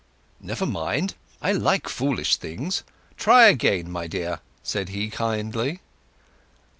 "Never mind; I like foolish things. Try again, my dear," said he kindly.